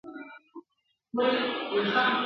له پروازه وه لوېدلي شهپرونه !.